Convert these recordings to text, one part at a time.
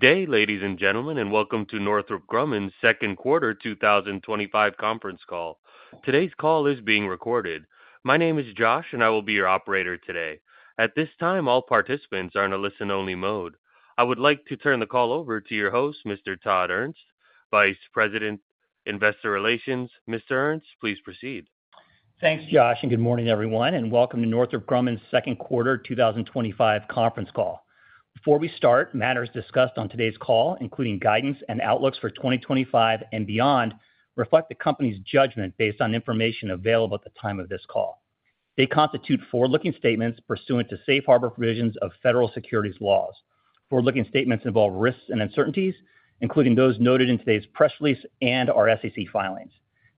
Today, ladies and gentlemen, and welcome to Northrop Grumman's Second Quarter 2025 Conference Call. Today's call is being recorded. My name is Josh, and I will be your operator today. At this time, all participants are in a listen-only mode. I would like to turn the call over to your host, Mr. Todd Ernst, Vice President, Investor Relations. Mr. Ernst, please proceed. Thanks, Josh, and good morning, everyone, and welcome to Northrop Grumman's second quarter 2025 conference call. Before we start, matters discussed on today's call, including guidance and outlooks for 2025 and beyond, reflect the company's judgment based on information available at the time of this call. They constitute forward-looking statements pursuant to safe harbor provisions of federal securities laws. Forward-looking statements involve risks and uncertainties, including those noted in today's press release and our SEC filings.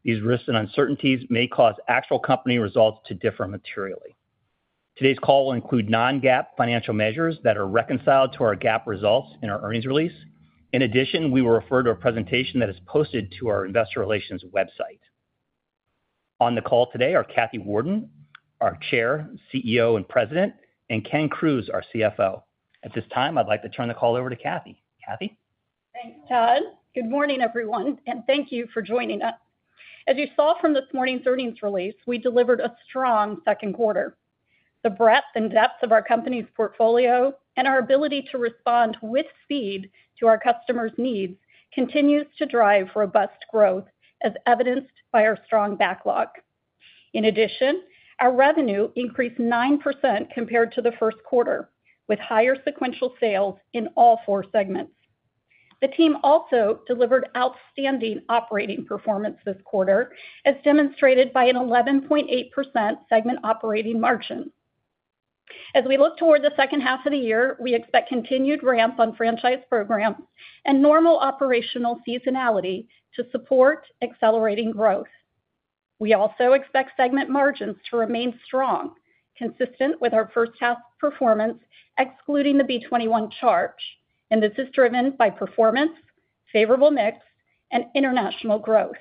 These risks and uncertainties may cause actual company results to differ materially. Today's call will include non-GAAP financial measures that are reconciled to our GAAP results in our earnings release. In addition, we will refer to a presentation that is posted to our Investor Relations website. On the call today are Kathy Warden, our Chair, CEO, and President, and Ken Crews, our CFO. At this time, I'd like to turn the call over to Kathy. Kathy? Thanks, Todd. Good morning, everyone, and thank you for joining us. As you saw from this morning's earnings release, we delivered a strong second quarter. The breadth and depth of our company's portfolio and our ability to respond with speed to our customers' needs continues to drive robust growth, as evidenced by our strong backlog. In addition, our revenue increased 9% compared to the first quarter, with higher sequential sales in all four segments. The team also delivered outstanding operating performance this quarter, as demonstrated by an 11.8% segment operating margin. As we look toward the second half of the year, we expect continued ramp on franchise programs and normal operational seasonality to support accelerating growth. We also expect segment margins to remain strong, consistent with our first-half performance, excluding the B-21 charge, and this is driven by performance, favorable mix, and international growth.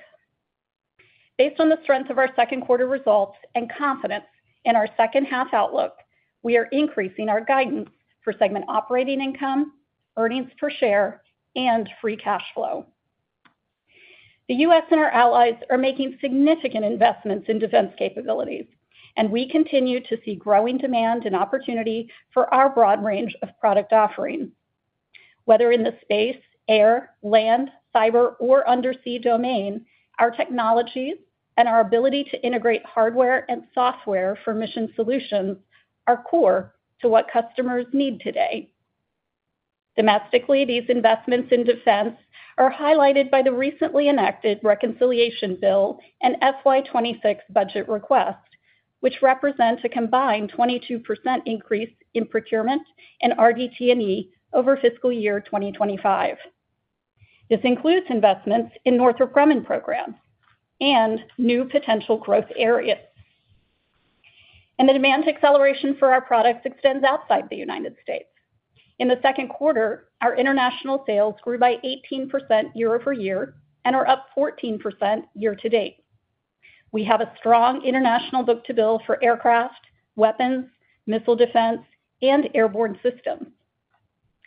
Based on the strength of our second quarter results and confidence in our second half outlook, we are increasing our guidance for segment operating income, earnings per share, and free cash flow. The U.S. and our allies are making significant investments in defense capabilities, and we continue to see growing demand and opportunity for our broad range of product offerings. Whether in the space, air, land, cyber, or undersea domain, our technologies and our ability to integrate hardware and software for mission solutions are core to what customers need today. Domestically, these investments in defense are highlighted by the recently enacted reconciliation bill and FY2026 budget request, which represent a combined 22% increase in procurement and RDT&E over fiscal year 2025. This includes investments in Northrop Grumman programs and new potential growth areas. The demand acceleration for our products extends outside the United States. In the second quarter, our international sales grew by 18% year-over-year and are up 14% year to date. We have a strong international book-to-bill for aircraft, weapons, missile defense, and airborne systems.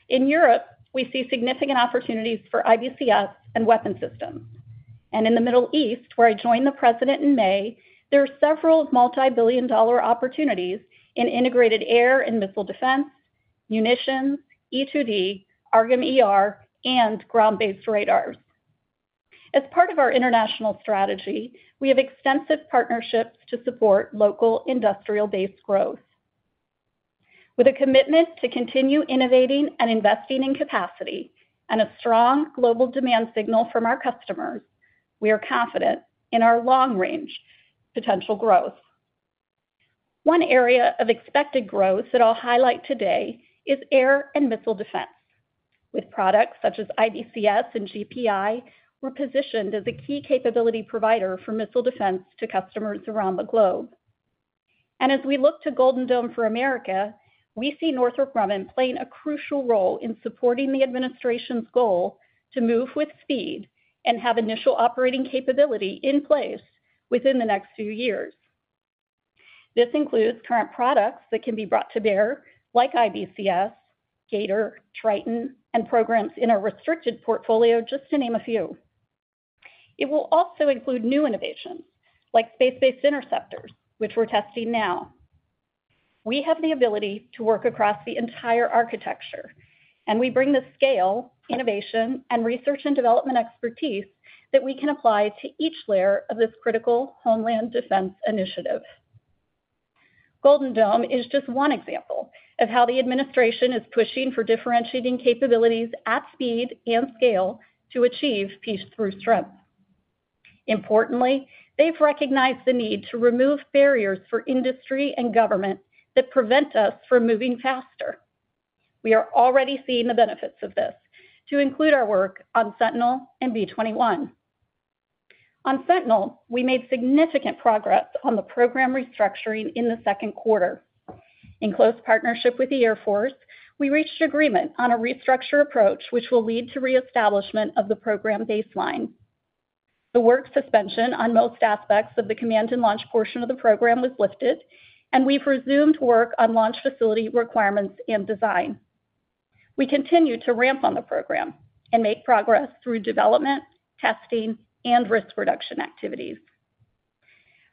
In Europe, we see significant opportunities for IBCS and weapon systems. In the Middle East, where I joined the President in May, there are several multibillion-dollar opportunities in integrated air and missile defense, munitions, E-2D, AARGM-ER, and ground-based radars. As part of our international strategy, we have extensive partnerships to support local industrial based growth. With a commitment to continue innovating and investing in capacity and a strong global demand signal from our customers, we are confident in our long-range potential growth. One area of expected growth that I'll highlight today is air and missile defense. With products such as IBCS and GPI, we're positioned as a key capability provider for missile defense to customers around the globe. As we look to Golden Dome for America, we see Northrop Grumman playing a crucial role in supporting the administration's goal to move with speed and have initial operating capability in place within the next few years. This includes current products that can be brought to bear, like IVCS, G/ATOR, Triton, and programs in a restricted portfolio, just to name a few. It will also include new innovations, like space-based interceptors, which we're testing now. We have the ability to work across the entire architecture, and we bring the scale, innovation, and research and development expertise that we can apply to each layer of this critical homeland defense initiative. Golden Dome is just one example of how the administration is pushing for differentiating capabilities at speed and scale to achieve peace through strength. Importantly, they've recognized the need to remove barriers for industry and government that prevent us from moving faster. We are already seeing the benefits of this, to include our work on Sentinel and B-21. On Sentinel, we made significant progress on the program restructuring in the second quarter. In close partnership with the Air Force, we reached agreement on a restructure approach, which will lead to reestablishment of the program baseline. The work suspension on most aspects of the command and launch portion of the program was lifted, and we've resumed work on launch facility requirements and design. We continue to ramp on the program and make progress through development, testing, and risk reduction activities.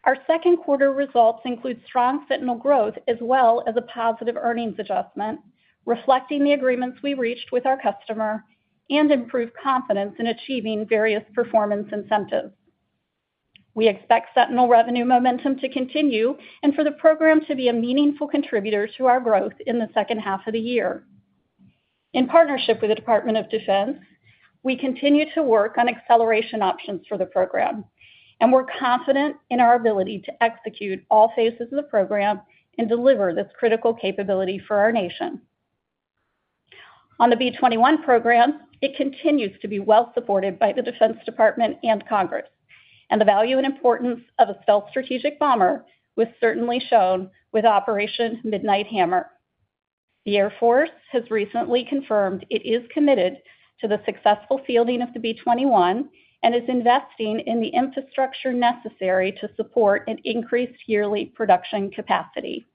Our second quarter results include strong Sentinel growth, as well as a positive earnings adjustment, reflecting the agreements we reached with our customer, and improved confidence in achieving various performance incentives. We expect Sentinel revenue momentum to continue and for the program to be a meaningful contributor to our growth in the second half of the year. In partnership with the Department of Defense, we continue to work on acceleration options for the program, and we're confident in our ability to execute all phases of the program and deliver this critical capability for our nation. On the B-21 program, it continues to be well supported by the Defense Department and Congress, and the value and importance of a stealth strategic bomber was certainly shown with Operation Midnight Hammer. The Air Force has recently confirmed it is committed to the successful fielding of the B-21 and is investing in the infrastructure necessary to support an increased yearly production capacity.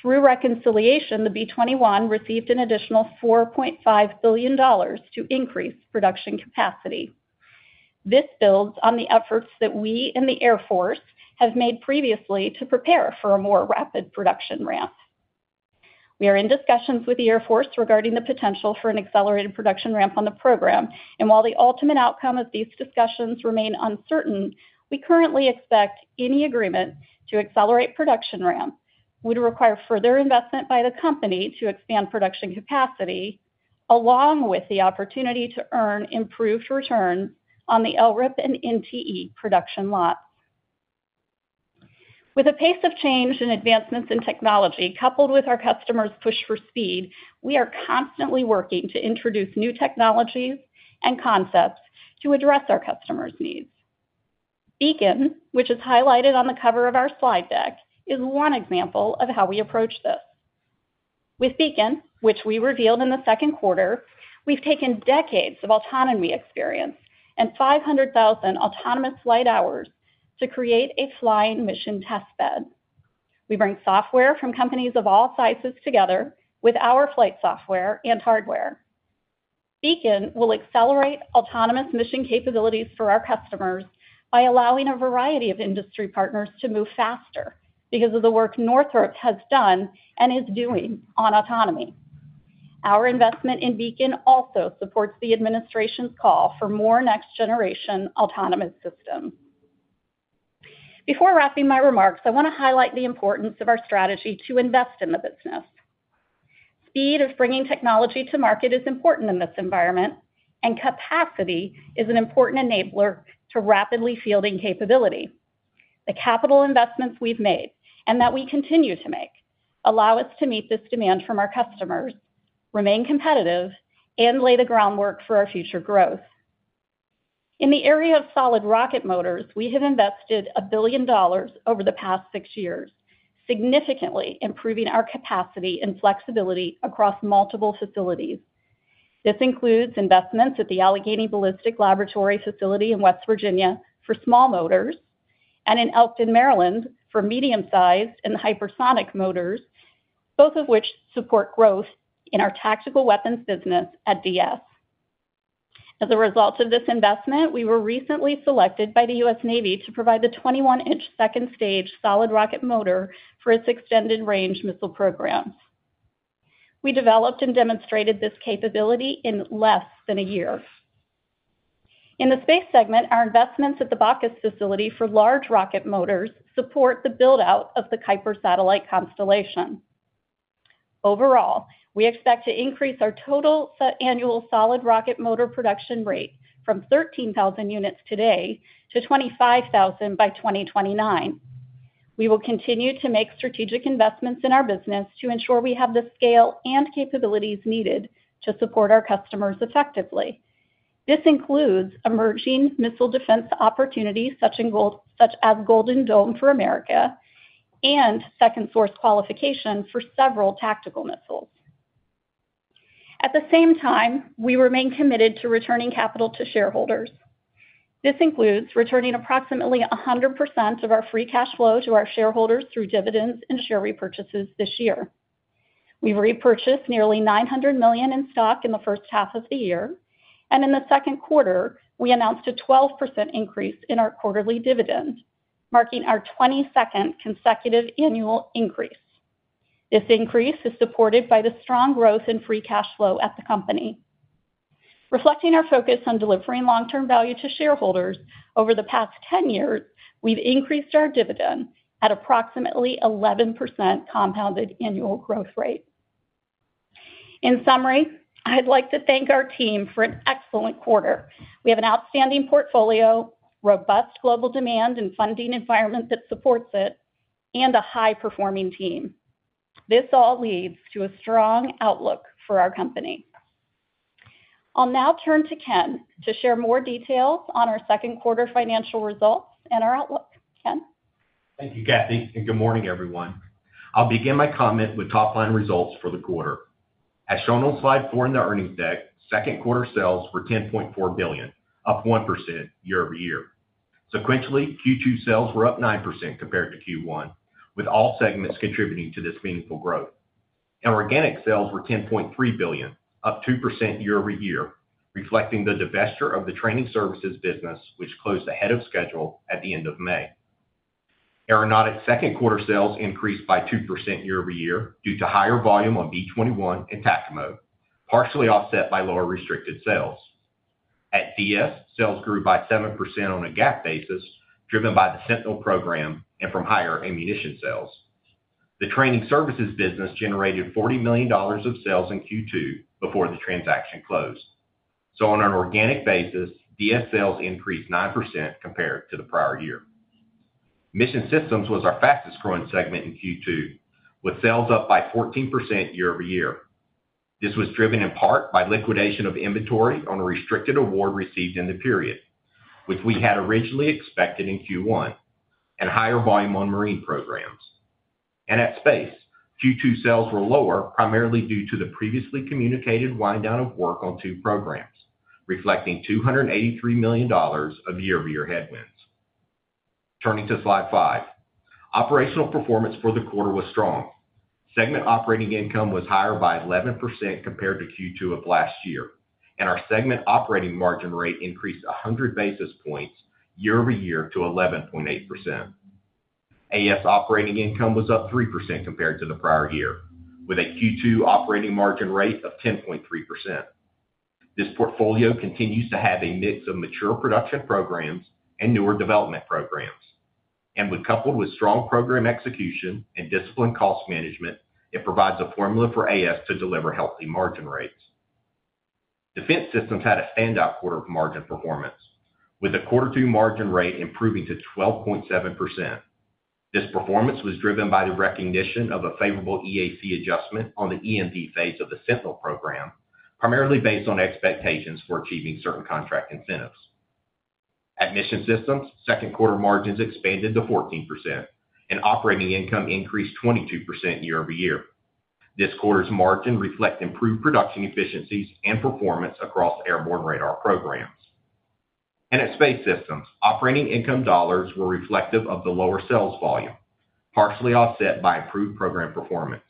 Through reconciliation, the B-21 received an additional $4.5 billion to increase production capacity. This builds on the efforts that we and the Air Force have made previously to prepare for a more rapid production ramp. We are in discussions with the Air Force regarding the potential for an accelerated production ramp on the program, and while the ultimate outcome of these discussions remains uncertain, we currently expect any agreement to accelerate production ramp would require further investment by the company to expand production capacity, along with the opportunity to earn improved returns on the LRIP and NTE production lots. With a pace of change and advancements in technology, coupled with our customers' push for speed, we are constantly working to introduce new technologies and concepts to address our customers' needs. Beacon, which is highlighted on the cover of our slide deck, is one example of how we approach this. With Beacon, which we revealed in the second quarter, we've taken decades of autonomy experience and 500,000 autonomous flight hours to create a flying mission testbed. We bring software from companies of all sizes together with our flight software and hardware. Beacon will accelerate autonomous mission capabilities for our customers by allowing a variety of industry partners to move faster because of the work Northrop has done and is doing on autonomy. Our investment in Beacon also supports the administration's call for more next-generation autonomous systems. Before wrapping my remarks, I want to highlight the importance of our strategy to invest in the business. Speed of bringing technology to market is important in this environment, and capacity is an important enabler to rapidly fielding capability. The capital investments we've made and that we continue to make allow us to meet this demand from our customers, remain competitive, and lay the groundwork for our future growth. In the area of solid rocket motors, we have invested $1 billion over the past six years, significantly improving our capacity and flexibility across multiple facilities. This includes investments at the Allegheny Ballistics Laboratory facility in West Virginia for small motors and in Elkton, Maryland, for medium-sized and hypersonic motors, both of which support growth in our tactical weapons business at DS. As a result of this investment, we were recently selected by the U.S. Navy to provide the 21-inch second-stage solid rocket motor for its extended-range missile programs. We developed and demonstrated this capability in less than a year. In the space segment, our investments at the Bacchus facility for large rocket motors support the build-out of the Kuiper satellite constellation. Overall, we expect to increase our total annual solid rocket motor production rate from 13,000 units today to 25,000 by 2029. We will continue to make strategic investments in our business to ensure we have the scale and capabilities needed to support our customers effectively. This includes emerging missile defense opportunities such as Golden Dome for America and second-source qualification for several tactical missiles. At the same time, we remain committed to returning capital to shareholders. This includes returning approximately 100% of our free cash flow to our shareholders through dividends and share repurchases this year. We've repurchased nearly $900 million in stock in the first half of the year, and in the second quarter, we announced a 12% increase in our quarterly dividend, marking our 22nd consecutive annual increase. This increase is supported by the strong growth in free cash flow at the company. Reflecting our focus on delivering long-term value to shareholders over the past 10 years, we've increased our dividend at approximately 11% compound annual growth rate. In summary, I'd like to thank our team for an excellent quarter. We have an outstanding portfolio, robust global demand and funding environment that supports it, and a high-performing team. This all leads to a strong outlook for our company. I'll now turn to Ken to share more details on our second-quarter financial results and our outlook. Ken. Thank you, Kathy, and good morning, everyone. I'll begin my comment with top-line results for the quarter. As shown on slide four in the earnings deck, second-quarter sales were $10.4 billion, up 1% year-over-year. Sequentially, Q2 sales were up 9% compared to Q1, with all segments contributing to this meaningful growth. Organic sales were $10.3 billion, up 2% year-over-year, reflecting the divestiture of the training services business, which closed ahead of schedule at the end of May. Aeronautics' second quarter sales increased by 2% year-over-year due to higher volume on B-21 and TACAMO, partially offset by lower restricted sales. At DS, sales grew by 7% on a GAAP basis, driven by the Sentinel program and from higher ammunition sales. The training services business generated $40 million of sales in Q2 before the transaction closed. On an organic basis, DS sales increased 9% compared to the prior-year. Mission Systems was our fastest-growing segment in Q2, with sales up by 14% year-over-year. This was driven in part by liquidation of inventory on a restricted award received in the period, which we had originally expected in Q1, and higher volume on marine programs. At Space, Q2 sales were lower primarily due to the previously communicated wind-down of work on two programs, reflecting $283 million of year-over-year headwinds. Turning to slide five, operational performance for the quarter was strong. Segment operating income was higher by 11% compared to Q2 of last year, and our segment operating margin rate increased 100 basis points year-over-year to 11.8%. AS operating income was up 3% compared to the prior year, with a Q2 operating margin rate of 10.3%. This portfolio continues to have a mix of mature production programs and newer development programs. When coupled with strong program execution and disciplined cost management, it provides a formula for AS to deliver healthy margin rates. Defense Systems had a standout quarter of margin performance, with a quarter-to-margin rate improving to 12.7%. This performance was driven by the recognition of a favorable EAC adjustment on the EMV phase of the Sentinel program, primarily based on expectations for achieving certain contract incentives. At Mission Systems, second-quarter margins expanded to 14%, and operating income increased 22% year-over-year. This quarter's margin reflected improved production efficiencies and performance across airborne radar programs. At Space Systems, operating income dollars were reflective of the lower sales volume, partially offset by improved program performance.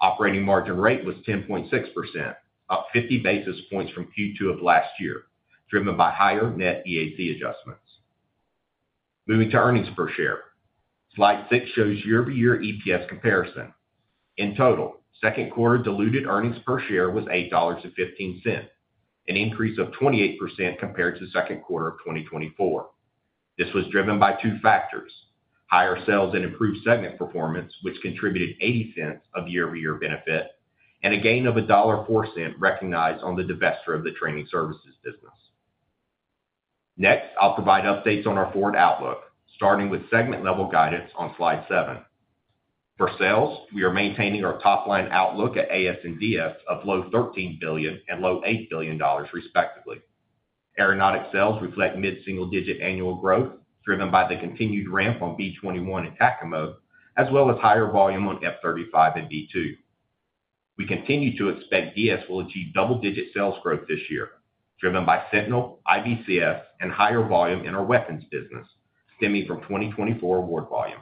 Operating margin rate was 10.6%, up 50 basis points from Q2 of last year, driven by higher net EAC adjustments. Moving to earnings per share, slide six shows year-over-year EPS comparison. In total, second-quarter diluted earnings per share was $8.15, an increase of 28% compared to second quarter of 2024. This was driven by two factors: higher sales and improved segment performance, which contributed $0.80 of year-over-year benefit, and a gain of $1.04 recognized on the divestiture of the training services business. Next, I'll provide updates on our forward outlook, starting with segment-level guidance on slide seven. For sales, we are maintaining our top-line outlook at AS and DS of low $13 billion and low $8 billion, respectively. Aeronautics sales reflect mid-single-digit annual growth, driven by the continued ramp on B-21 and TACAMO, as well as higher volume on F-35 and B-2. We continue to expect DS will achieve double-digit sales growth this year, driven by Sentinel, IBCS, and higher volume in our weapons business, stemming from 2024 award volume.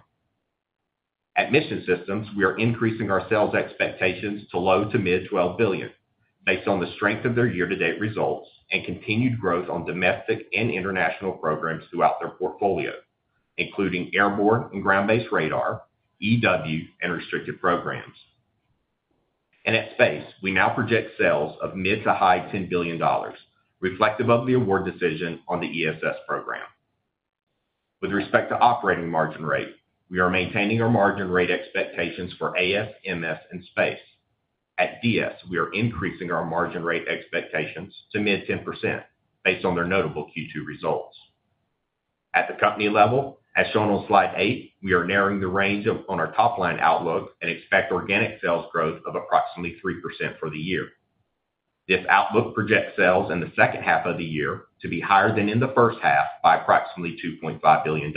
At Mission Systems, we are increasing our sales expectations to-low to mid-$12 billion, based on the strength of their year-to-date results and continued growth on domestic and international programs throughout their portfolio, including airborne and ground-based radar, EW, and restricted programs. At Space, we now project sales of mid-to high-$10 billion, reflective of the award decision on the ESS program. With respect to operating margin rate, we are maintaining our margin rate expectations for AS, MS, and Space. At DS, we are increasing our margin rate expectations to mid-10%, based on their notable Q2 results. At the company level, as shown on slide eight, we are narrowing the range on our top-line outlook and expect organic sales growth of approximately 3% for the year. This outlook projects sales in the second half of the year to be higher than in the first half by approximately $2.5 billion.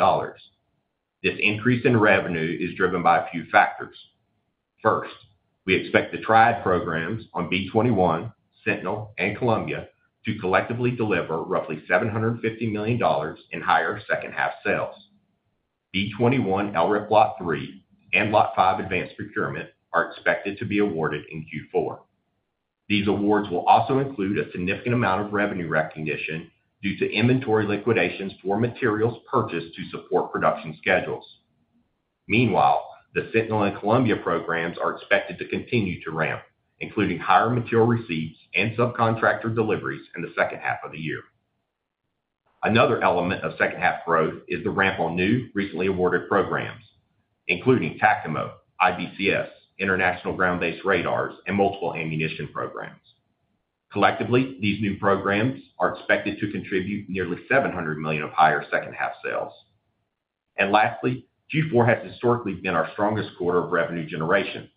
This increase in revenue is driven by a few factors. First, we expect the Triad programs on B-21, Sentinel, and Columbia to collectively deliver roughly $750 million in higher second-half sales. B-21 LRIP Lot three and Lot five advanced procurement are expected to be awarded in Q4. These awards will also include a significant amount of revenue recognition due to inventory liquidations for materials purchased to support production schedules. Meanwhile, the Sentinel and Columbia programs are expected to continue to ramp, including higher material receipts and subcontractor deliveries in the second-half of the year. Another element of second-half growth is the ramp on new, recently awarded programs, including TACAMO, IBCS, international ground-based radars, and multiple ammunition programs. Collectively, these new programs are expected to contribute nearly $700 million of higher second-half sales. Lastly, Q4 has historically been our strongest quarter of revenue generation,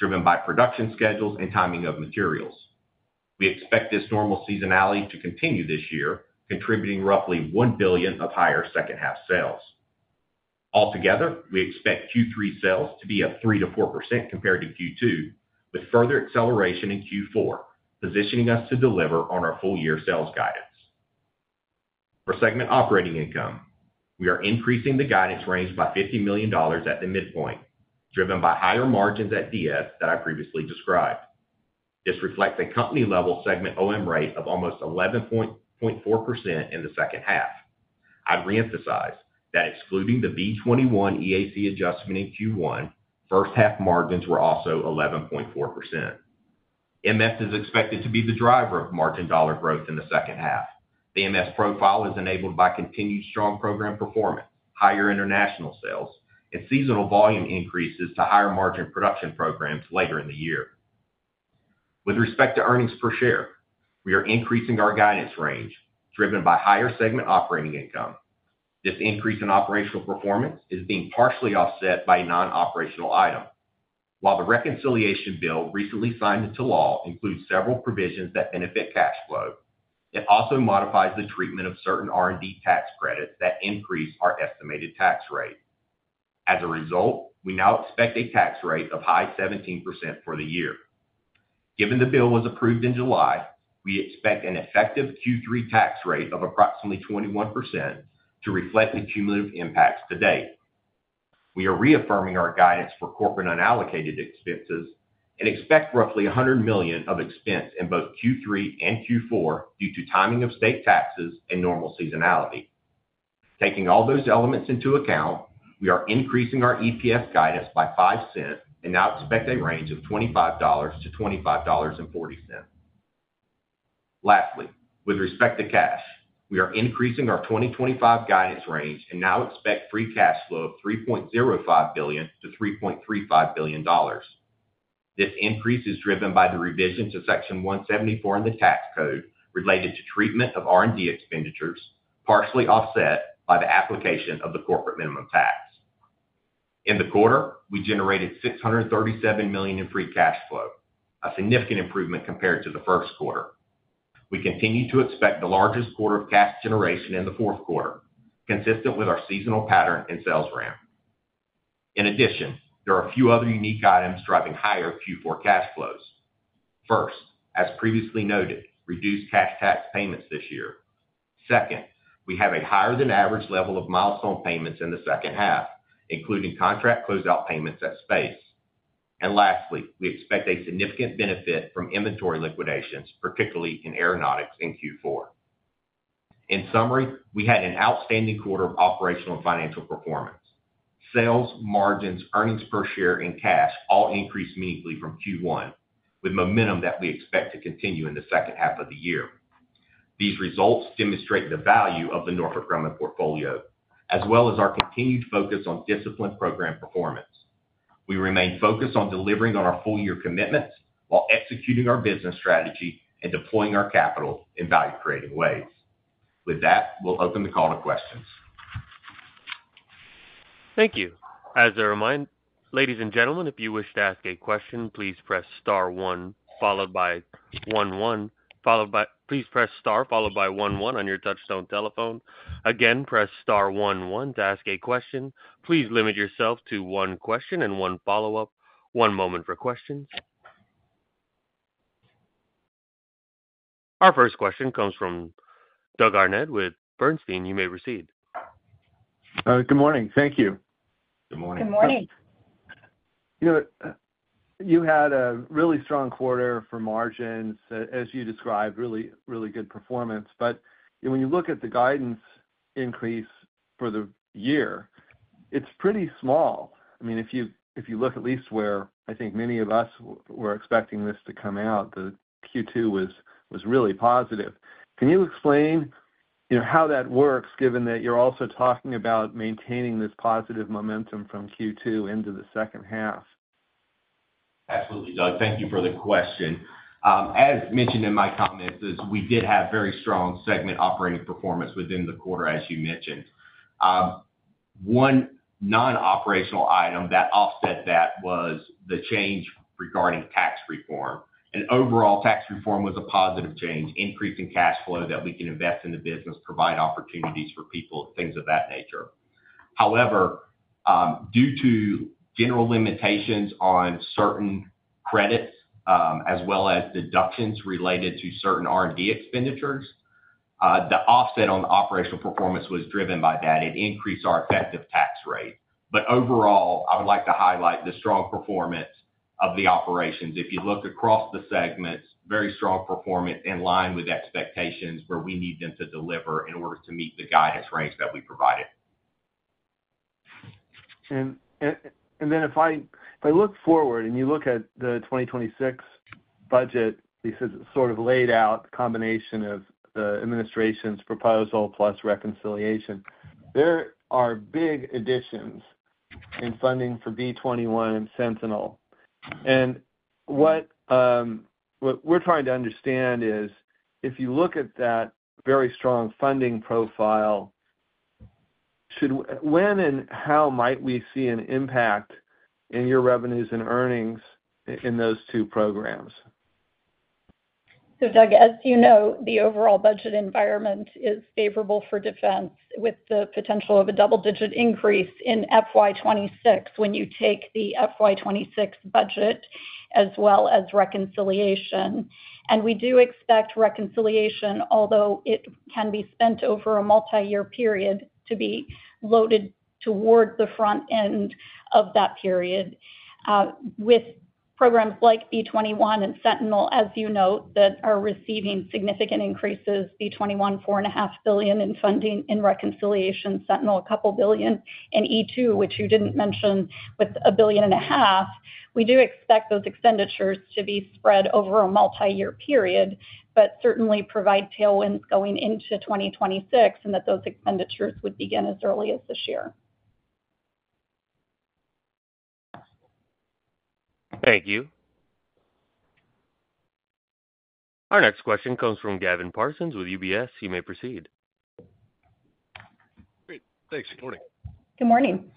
driven by production schedules and timing of materials. We expect this normal seasonality to continue this year, contributing roughly $1 billion of higher second-half sales. Altogether, we expect Q3 sales to be up 3%-4% compared to Q2, with further acceleration in Q4, positioning us to deliver on our full-year sales guidance. For segment operating income, we are increasing the guidance range by $50 million at the midpoint, driven by higher margins at DS that I previously described. This reflects a company-level segment OM rate of almost 11.4% in the second-half. I'd re-emphasize that excluding the B-21 EAC adjustment in Q1, first-half margins were also 11.4%. MS is expected to be the driver of margin dollar growth in the second half. The MS profile is enabled by continued strong program performance, higher international sales, and seasonal volume increases to higher margin production programs later in the year. With respect to earnings per share, we are increasing our guidance range, driven by higher segment operating income. This increase in operational performance is being partially offset by a nonoperational item. While the reconciliation bill recently signed into law includes several provisions that benefit cash flow, it also modifies the treatment of certain R&D tax credits that increase our estimated tax rate. As a result, we now expect a tax rate of high–17% for the year. Given the bill was approved in July, we expect an effective Q3 tax rate of approximately 21% to reflect the cumulative impact to date. We are reaffirming our guidance for corporate-unallocated expenses and expect roughly $100 million of expense in both Q3 and Q4 due to timing of state taxes and normal seasonality. Taking all those elements into account, we are increasing our EPS guidance by $0.05 and now expect a range of $25–$25.40. Lastly, with respect to cash, we are increasing our 2025 guidance range and now expect free cash flow of $3.05 billion–$3.35 billion. This increase is driven by the revision to Section 174 in the tax code related to treatment of R&D expenditures, partially offset by the application of the Corporate Minimum Tax. In the quarter, we generated $637 million in free cash flow, a significant improvement compared to the first quarter. We continue to expect the largest quarter of cash generation in the fourth quarter, consistent with our seasonal pattern and sales ramp. In addition, there are a few other unique items driving higher Q4 cash flows. First, as previously noted, reduced cash tax payments this year. Second, we have a higher-than-average level of milestone payments in the second half, including contract closeout payments at Space. And lastly, we expect a significant benefit from inventory liquidations, particularly in aeronautics in Q4. In summary, we had an outstanding quarter of operational and financial performance. Sales, margins, earnings per share, and cash all increased meaningfully from Q1, with momentum that we expect to continue in the second half of the year. These results demonstrate the value of the Northrop Grumman portfolio, as well as our continued focus on discipline program performance. We remain focused on delivering on our full-year commitments while executing our business strategy and deploying our capital in value-creating ways. With that, we'll open the call to questions. Thank you. As a reminder, ladies and gentlemen, if you wish to ask a question, please press star one, followed by one one. Please press star followed by one one on your touch-stone telephone. Again, press star one one to ask a question. Please limit yourself to one question and one follow-up. One moment for questions. Our first question comes from Doug Harned with Bernstein. You may proceed. Good morning. Thank you. Good morning. Good morning. You had a really strong quarter for margins, as you described, really good performance. But when you look at the guidance increase for the year, it's pretty small. I mean, if you look at least where I think many of us were expecting this to come out, the Q2 was really positive. Can you explain how that works, given that you're also talking about maintaining this positive momentum from Q2 into the second half? Absolutely, Doug. Thank you for the question. As mentioned in my comments, we did have very strong segment operating performance within the quarter, as you mentioned. One non-operational item that offset that was the change regarding tax reform. And overall, tax reform was a positive change, increasing cash flow that we can invest in the business, provide opportunities for people, things of that nature. However. Due to general limitations on certain credits as well as deductions related to certain R&D expenditures, the offset on operational performance was driven by that. It increased our effective tax rate. But overall, I would like to highlight the strong performance of the operations. If you look across the segments, very strong performance in line with expectations where we need them to deliver in order to meet the guidance range that we provided. And then if I look forward and you look at the 2026 budget, this is sort of laid out, the combination of the administration's proposal plus reconciliation. There are big additions. In funding for B-21 and Sentinel. And what. We're trying to understand is, if you look at that very strong funding profile. When and how might we see an impact in your revenues and earnings in those two programs? So, Doug, as you know, the overall budget environment is favorable for defense with the potential of a double-digit increase in FY 2026 when you take the FY 2026 budget as well as reconciliation. And we do expect reconciliation, although it can be spent over a multi-year period, to be loaded toward the front end of that period. With programs like B-21 and Sentinel, as you note, that are receiving significant increases, B-21, $4.5 billion in funding, in reconciliation, Sentinel, a couple billion, and E-2, which you didn't mention, with a billion and a half, we do expect those expenditures to be spread over a multi-year period, but certainly provide tailwinds going into 2026 and that those expenditures would begin as early as this year. Thank you. Our next question comes from Gavin Parsons with UBS. You may proceed. Great. Thanks. Good morning. Good morning.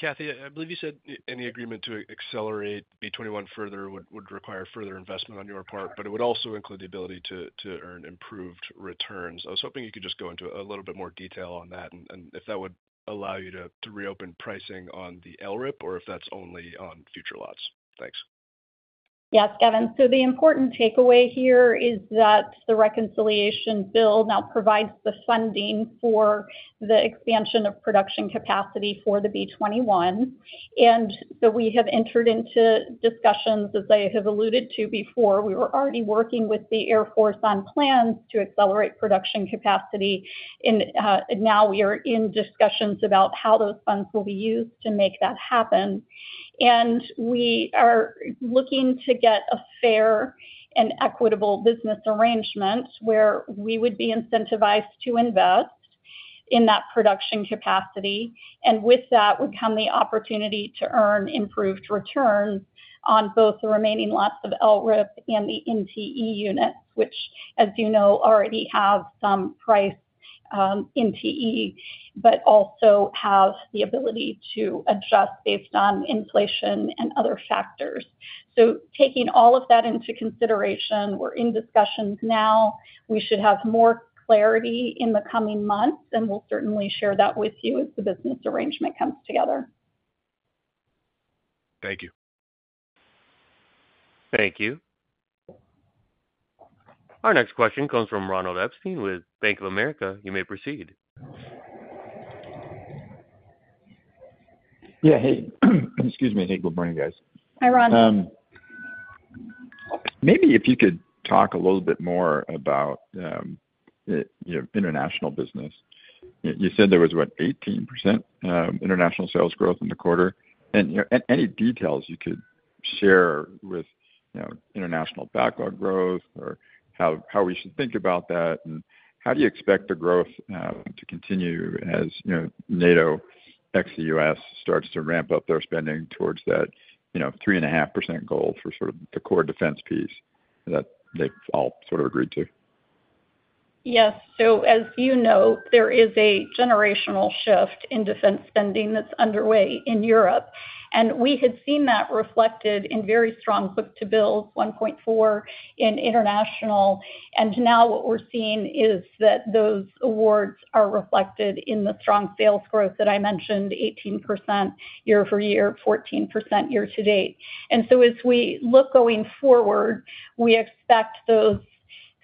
Kathy, I believe you said any agreement to accelerate B-21 further would require further investment on your part, but it would also include the ability to earn improved returns. I was hoping you could just go into a little bit more detail on that and if that would allow you to reopen pricing on the LRIP or if that's only on future lots. Thanks. Yes, Gavin. The important takeaway here is that the reconciliation bill now provides the funding for the expansion of production capacity for the B-21. We have entered into discussions, as I have alluded to before. We were already working with the Air Force on plans to accelerate production capacity. Now we are in discussions about how those funds will be used to make that happen. We are looking to get a fair and equitable business arrangement where we would be incentivized to invest in that production capacity. With that would come the opportunity to earn improved returns on both the remaining lots of LRIP and the NTE units, which, as you know, already have some price. NTE, but also have the ability to adjust based on inflation and other factors. Taking all of that into consideration, we're in discussions now. We should have more clarity in the coming months, and we'll certainly share that with you as the business arrangement comes together. Thank you. Thank you. Our next question comes from Ronald Epstein with Bank of America. You may proceed. Yeah, hey. Excuse me. Hey, good morning, guys. Hi, Ron. Maybe if you could talk a little bit more about international business. You said there was, what, 18% international sales growth in the quarter. Any details you could share with international backlog growth or how we should think about that. How do you expect the growth to continue as NATO (ex-U.S.) starts to ramp up their spending towards that 3.5% goal for sort of the core defense piece that they've all sort of agreed to? Yes. As you know, there is a generational shift in defense spending that's underway in Europe. We had seen that reflected in very strong book-to-bills, 1.4, in international. Now what we're seeing is that those awards are reflected in the strong sales growth that I mentioned, 18% year-over-year, 14% year-to-date. As we look going forward, we expect those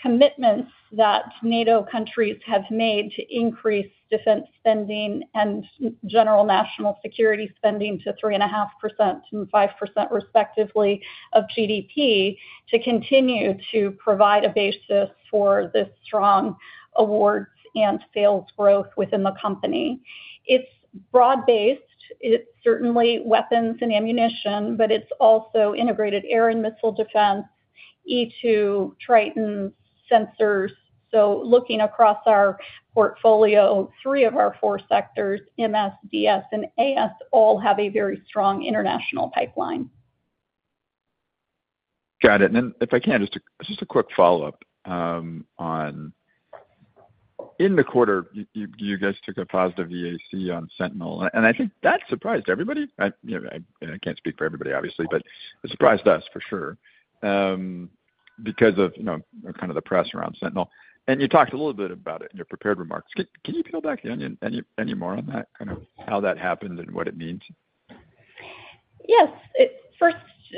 commitments that NATO countries have made to increase defense spending and general national security spending to 3.5% and 5%, respectively, of GDP to continue to provide a basis for the strong awards and sales growth within the company. It's broad-based. It's certainly weapons and ammunition, but it's also integrated air and missile defense, E-2, Triton, sensors. Looking across our portfolio, three of our four sectors, MS, DS, and AS, all have a very strong international pipeline. Got it. If I can, just a quick follow-up. In the quarter, you guys took a positive EAC on Sentinel. I think that surprised everybody. I can't speak for everybody, obviously, but it surprised us, for sure. Because of kind of the press around Sentinel. You talked a little bit about it in your prepared remarks. Can you peel back the onion any more on that, kind of how that happened and what it means? Yes. First,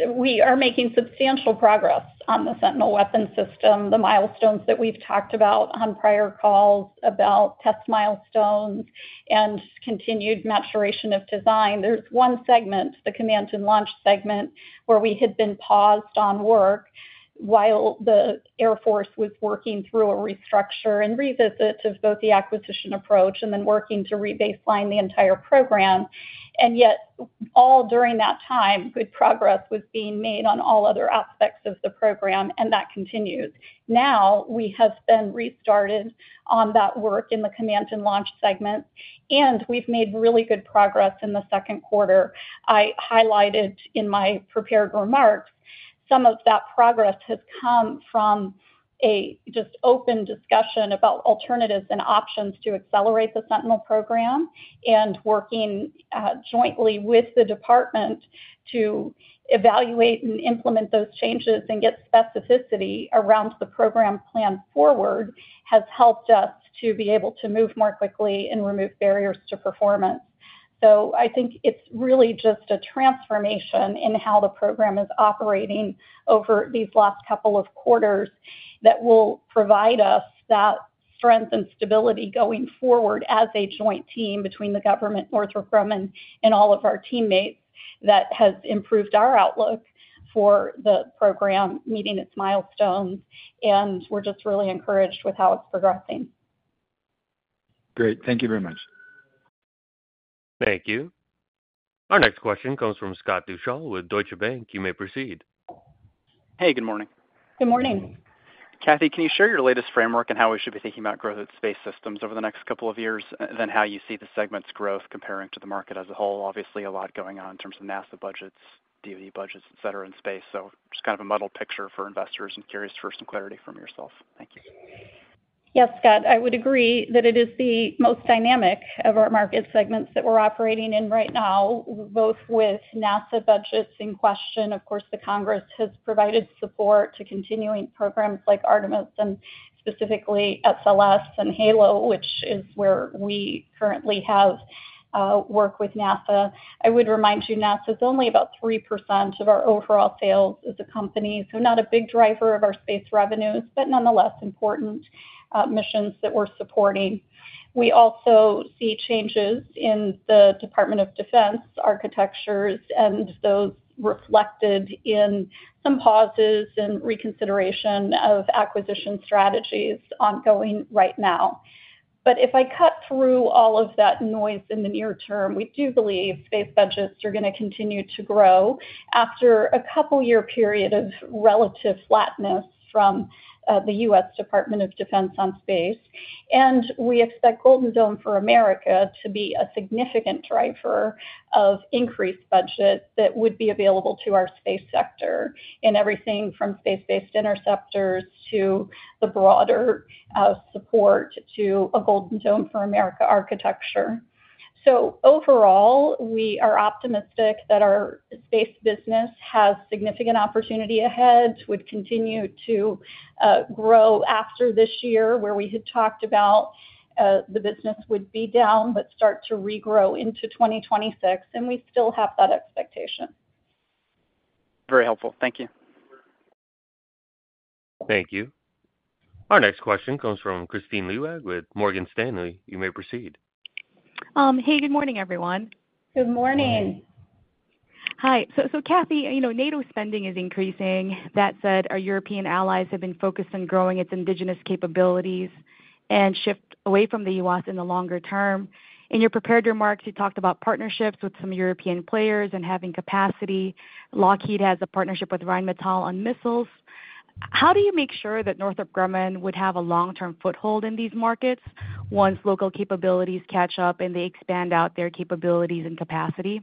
we are making substantial progress on the Sentinel weapon system, the milestones that we've talked about on prior calls about test milestones and continued maturation of design. There is one segment, the command-and-launch segment, where we had been paused on work while the Air Force was working through a restructure and revisit of both the acquisition approach and then working to rebaseline the entire program. Yet, all during that time, good progress was being made on all other aspects of the program, and that continues. Now we have been restarted on that work in the command-and-launch segment, and we've made really good progress in the second quarter. I highlighted in my prepared remarks, some of that progress has come from a just open discussion about alternatives and options to accelerate the Sentinel program and working jointly with the Department to evaluate and implement those changes and get specificity around the program plan forward has helped us to be able to move more quickly and remove barriers to performance. I think it is really just a transformation in how the program is operating over these last couple of quarters that will provide us that strength and stability going forward as a joint team between the government, Northrop Grumman, and all of our teammates that has improved our outlook for the program meeting its milestones. We are just really encouraged with how it is progressing. Great. Thank you very much. Thank you. Our next question comes from Scott Deuschle with Deutsche Bank. You may proceed. Hey, good morning. Good morning. Kathy, can you share your latest framework on how we should be thinking about growth at space systems over the next couple of years, then how you see the segment's growth comparing to the market as a whole? Obviously, a lot going on in terms of NASA budgets, DOD budgets, et cetera, in space. Just kind of a muddled picture for investors and curious for some clarity from yourself. Thank you. Yes, Scott. I would agree that it is the most dynamic of our market segments that we are operating in right now, both with NASA budgets in question. Of course, the Congress has provided support to continuing programs like Artemis and specifically SLS and HALO, which is where we currently have work with NASA. I would remind you, NASA is only about 3% of our overall sales as a company, so not a big driver of our space revenues, but nonetheless important missions that we are supporting. We also see changes in the Department of Defense architectures, and those reflected in some pauses and reconsideration of acquisition strategies ongoing right now. If I cut through all of that noise in the near term, we do believe Space budgets are going to continue to grow after a couple-year period of relative flatness from the U.S. Department of Defense on space. We expect Golden Dome for America to be a significant driver of increased budget that would be available to our space sector in everything from space-based interceptors to the broader support to a Golden Dome for America architecture. Overall, we are optimistic that our Space business has significant opportunity ahead, would continue to grow after this year where we had talked about the business would be down, but start to regrow into 2026. We still have that expectation. Very helpful. Thank you. Thank you. Our next question comes from Kristine Liwag with Morgan Stanley. You may proceed. Hey, good morning, everyone. Good morning. Hi. Kathy, NATO spending is increasing. That said, our European allies have been focused on growing its indigenous capabilities and shift away from the U.S. in the longer term. In your prepared remarks, you talked about partnerships with some European players and having capacity. Lockheed has a partnership with Rheinmetall on missiles. How do you make sure that Northrop Grumman would have a long-term foothold in these markets once local capabilities catch up and they expand out their capabilities and capacity?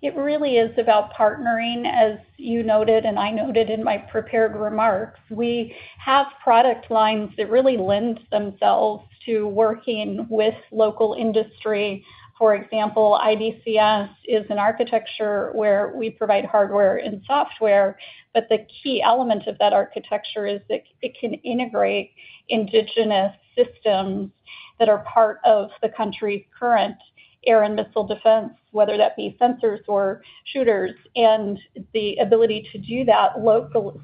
It really is about partnering, as you noted and I noted in my prepared remarks. We have product lines that really lend themselves to working with local industry. For example, IBCS is an architecture where we provide hardware and software, but the key element of that architecture is that it can integrate indigenous systems that are part of the country's current air and missile defense, whether that be sensors or shooters, and the ability to do that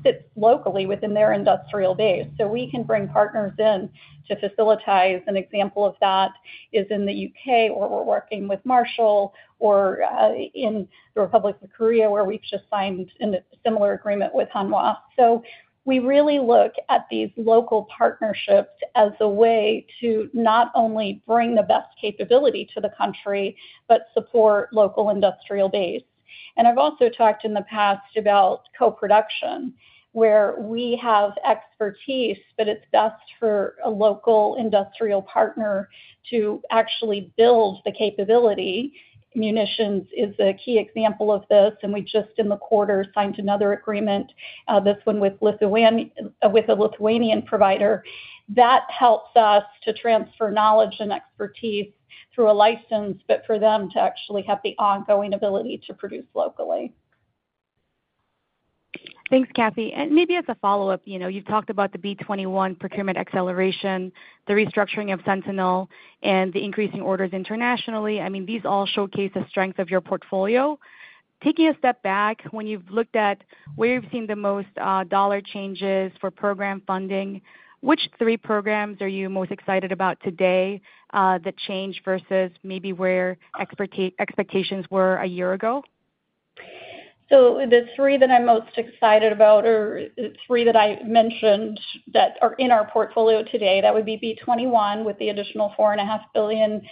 sits locally within their industrial base. We can bring partners in to facilitate. An example of that is in the U.K., where we're working with Marshall, or in the Republic of Korea, where we've just signed a similar agreement with Hanwha. We really look at these local partnerships as a way to not only bring the best capability to the country, but support local industrial base. I've also talked in the past about co-production, where we have expertise, but it's best for a local industrial partner to actually build the capability. Munitions is a key example of this. We just, in the quarter, signed another agreement, this one with a Lithuanian provider. That helps us to transfer knowledge and expertise through a license, but for them to actually have the ongoing ability to produce locally. Thanks, Kathy. Maybe as a follow-up, you've talked about the B-21 procurement acceleration, the restructuring of Sentinel, and the increasing orders internationally. I mean, these all showcase the strength of your portfolio. Taking a step back, when you've looked at where you've seen the most dollar changes for program funding, which three programs are you most excited about today that changed versus maybe where expectations were a year ago? The three that I'm most excited about are three that I mentioned that are in our portfolio today. That would be B-21 with the additional $4.5 billion,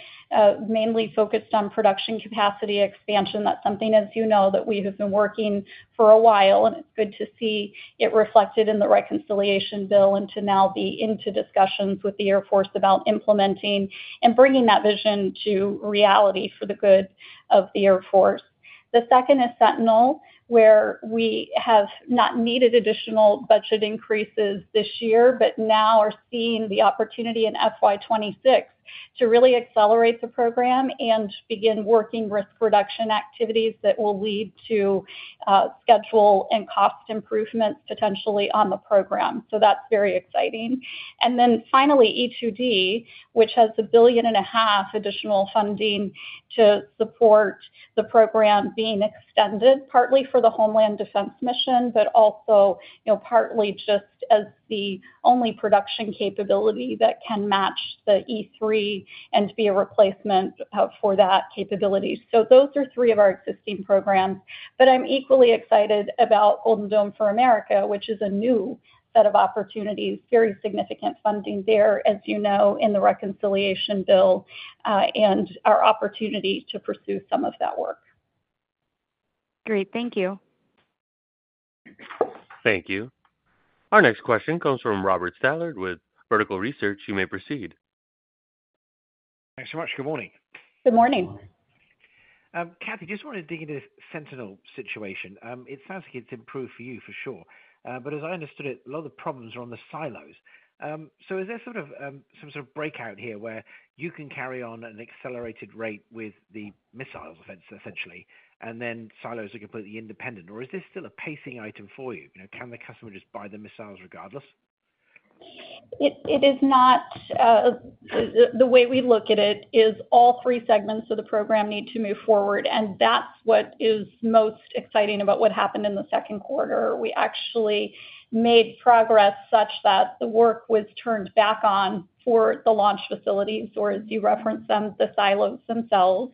mainly focused on production capacity expansion. That's something, as you know, that we have been working for a while, and it's good to see it reflected in the reconciliation bill and to now be into discussions with the Air Force about implementing and bringing that vision to reality for the good of the Air Force. The second is Sentinel, where we have not needed additional budget increases this year, but now are seeing the opportunity in FY 2026 to really accelerate the program and begin working risk reduction activities that will lead to schedule and cost improvements potentially on the program. That is very exciting. Finally, E-2D, which has $1.5 billion additional funding to support the program being extended, partly for the Homeland Defense Mission, but also partly just as the only production capability that can match the E-3 and be a replacement for that capability. Those are three of our existing programs. I'm equally excited about Golden Dome for America, which is a new set of opportunities, very significant funding there, as you know, in the reconciliation bill and our opportunity to pursue some of that work. Great. Thank you. Thank you. Our next question comes from Robert Stallard with Vertical Research. You may proceed. Thanks so much. Good morning. Good morning. Kathy, just wanted to dig into the Sentinel situation. It sounds like it's improved for you, for sure. As I understood it, a lot of the problems are on the silos. Is there some sort of breakout here where you can carry on at an accelerated rate with the missiles, essentially, and then silos are completely independent? Or is this still a pacing item for you? Can the customer just buy the missiles regardless? It is not. The way we look at it is all three segments of the program need to move forward. That is what is most exciting about what happened in the second quarter. We actually made progress such that the work was turned back on for the launch facilities, or as you referenced them, the silos themselves.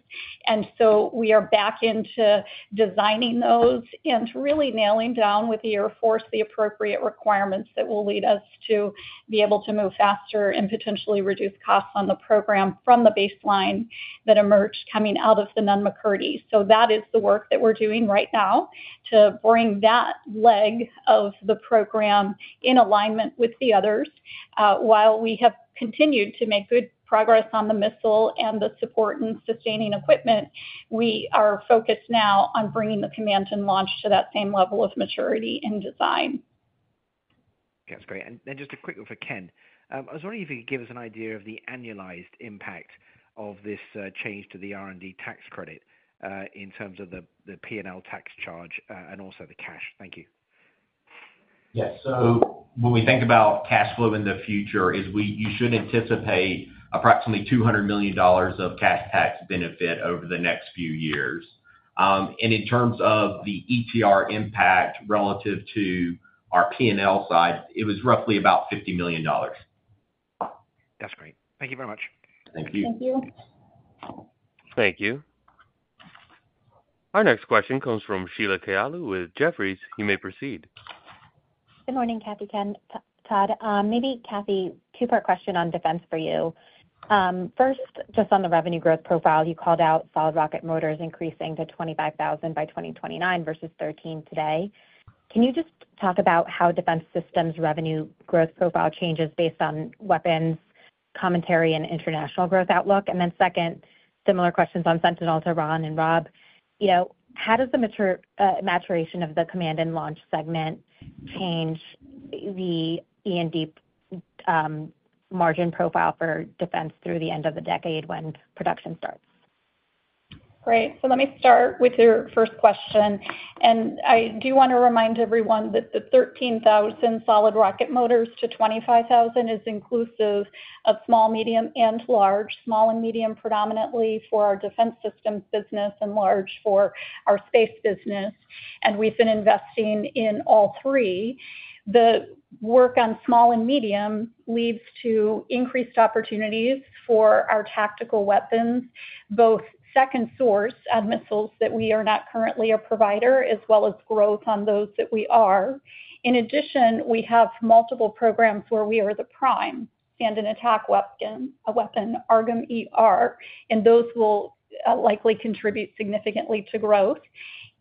We are back into designing those and really nailing down with the Air Force the appropriate requirements that will lead us to be able to move faster and potentially reduce costs on the program from the baseline that emerged coming out of the Nunn-McCurdy. That is the work that we're doing right now to bring that leg of the program in alignment with the others. While we have continued to make good progress on the missile and the support and sustaining equipment, we are focused now on bringing the command and launch to that same level of maturity and design. That's great. And just a quick one for Ken. I was wondering if you could give us an idea of the annualized impact of this change to the R&D tax credit in terms of the P&L tax charge and also the cash. Thank you. Yes. So when we think about cash flow in the future, you should anticipate approximately $200 million of cash tax benefit over the next few years. And in terms of the ETR impact relative to our P&L side, it was roughly about $50 million. That's great. Thank you very much. Thank you. Thank you. Thank you. Our next question comes from Sheila Kahyaoglu with Jefferies. You may proceed. Good morning, Kathy, Ken. Todd, maybe, Kathy, two-part question on defense for you. First, just on the revenue growth profile, you called out solid rocket motors increasing to 25,000 by 2029 versus 13 today. Can you just talk about how defense systems' revenue growth profile changes based on weapons commentary and international growth outlook? And then second, similar questions on Sentinel to Ron and Rob. How does the maturation of the command-and-launch segment change the E&D margin profile for Defense through the end of the decade when production starts? Great. Let me start with your first question. I do want to remind everyone that the 13,000 solid rocket motors to 25,000 is inclusive of small, medium, and large. Small and medium predominantly for our Defense Systems business and large for our space business. We have been investing in all three. The work on small and medium leads to increased opportunities for our tactical weapons, both second source and missiles that we are not currently a provider, as well as growth on those that we are. In addition, we have multiple programs where we are the prime: Stand and Attack Weapon, ARGM-ER, and those will likely contribute significantly to growth.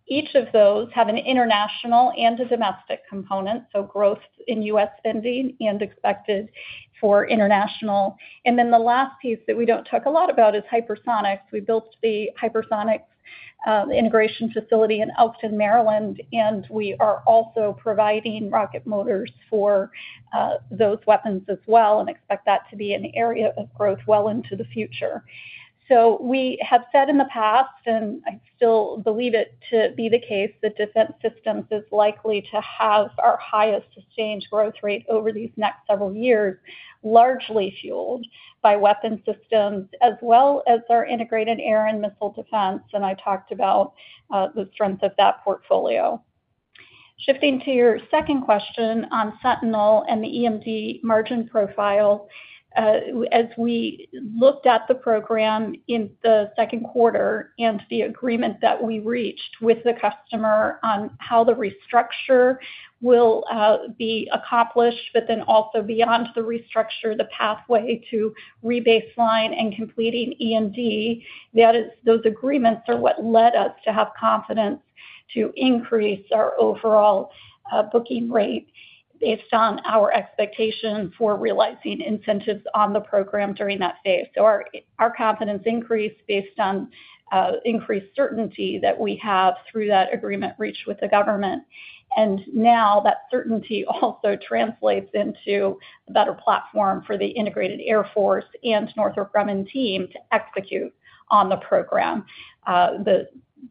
Each of those have an international and a domestic component, so growth in U.S. spending and expected for international. The last piece that we do not talk a lot about is hypersonics. We built the Hypersonics Integration Facility in Elkton, Maryland, and we are also providing rocket motors for those weapons as well and expect that to be an area of growth well into the future. We have said in the past, and I still believe it to be the case, that Defense Systems is likely to have our highest exchange growth rate over these next several years, largely fueled by weapon systems as well as our Integrated Air and Missile Defense. I talked about the strength of that portfolio. Shifting to your second question on Sentinel and the E&D margin profile. As we looked at the program in the second quarter and the agreement that we reached with the customer on how the restructure will be accomplished, but then also beyond the restructure, the pathway to rebaseline and completing E&D, those agreements are what led us to have confidence to increase our overall booking rate based on our expectation for realizing incentives on the program during that phase. Our confidence increased based on increased certainty that we have through that agreement reached with the government. That certainty also translates into a better platform for the Integrated Air Force and Northrop Grumman team to execute on the program. The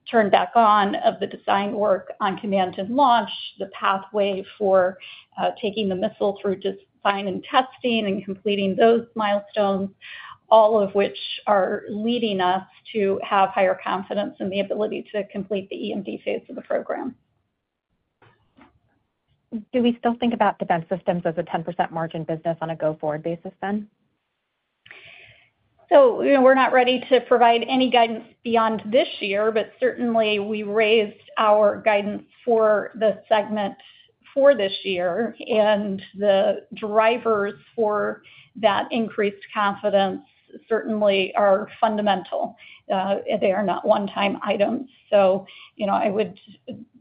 turn back on of the design work on command-and-launch, the pathway for taking the missile through design and testing and completing those milestones, all of which are leading us to have higher confidence in the ability to complete the E&D phase of the program. Do we still think about Defense Systems as a 10% margin business on a go-forward basis then? We're not ready to provide any guidance beyond this year, but certainly we raised our guidance for the segment for this year. The drivers for that increased confidence certainly are fundamental. They are not one-time items. I would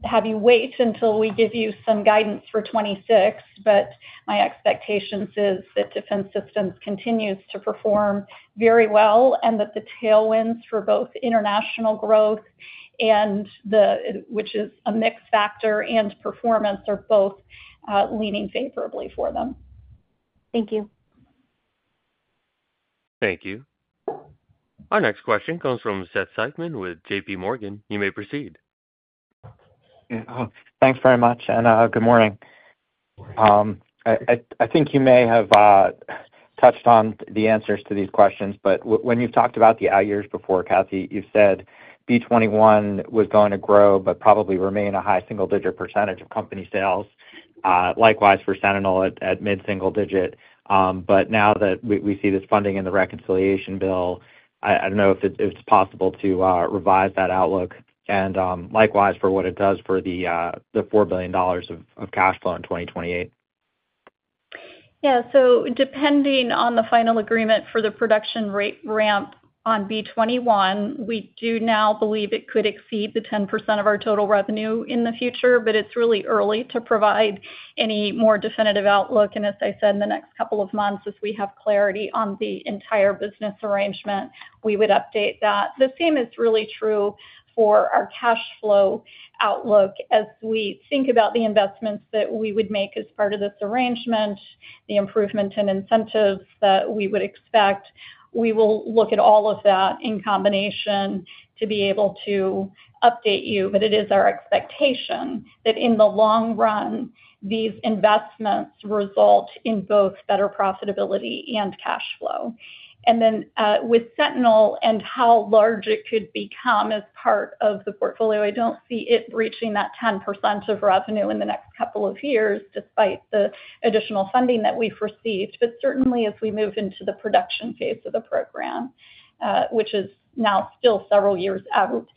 have you wait until we give you some guidance for 2026, but my expectation is that Defense Systems continue to perform very well and that the tailwinds for both international growth, which is a mixed factor, and performance are both leaning favorably for them. Thank you. Thank you. Our next question comes from Seth Seifman with JPMorgan. You may proceed. Thanks very much. Good morning. I think you may have touched on the answers to these questions, but when you've talked about the out years before, Kathy, you've said B-21 was going to grow, but probably remain a high single-digit percentage of company sales. Likewise, for Sentinel, at mid-single digit. Now that we see this funding in the reconciliation bill, I don't know if it's possible to revise that outlook. Likewise, for what it does for the $4 billion of cash flow in 2028. Yeah. Depending on the final agreement for the production-rate ramp on B-21, we do now believe it could exceed the 10% of our total revenue in the future, but it's really early to provide any more definitive outlook. As I said, in the next couple of months, if we have clarity on the entire business arrangement, we would update that. The same is really true for our cash-flow outlook. As we think about the investments that we would make as part of this arrangement, the improvement in incentives that we would expect, we will look at all of that in combination to be able to update you. It is our expectation that in the long run, these investments result in both better profitability and cash flow. And then with Sentinel and how large it could become as part of the portfolio, I do not see it reaching that 10% of revenue in the next couple of years despite the additional funding that we have received. Certainly, as we move into the production phase of the program, which is now still several years out,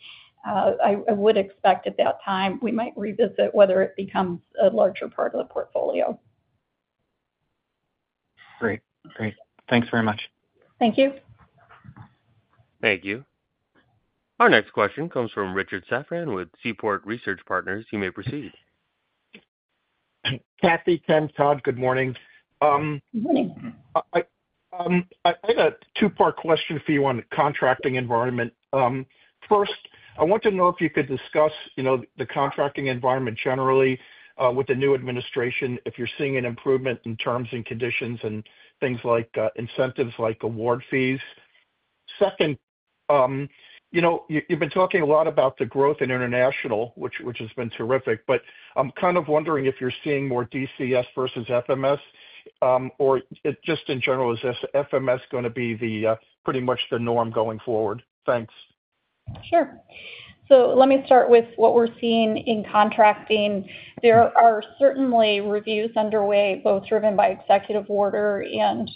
I would expect at that time we might revisit whether it becomes a larger part of the portfolio. Great. Great. Thanks very much. Thank you. Thank you. Our next question comes from Richard Safran with Seaport Research Partners. You may proceed. Kathy, Ken, Todd, good morning. Good morning. I have a two-part question for you on the contracting environment. First, I want to know if you could discuss the contracting environment generally with the new administration, if you are seeing an improvement in terms and conditions and things like incentives like award fees. Second, you have been talking a lot about the growth in international, which has been terrific, but I am kind of wondering if you are seeing more DCS versus FMS, or just in general, is FMS going to be pretty much the norm going forward? Thanks. Sure. Let me start with what we are seeing in contracting. There are certainly reviews underway, both driven by executive order and